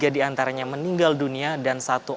tiga diantaranya meninggal dunia dan satu orang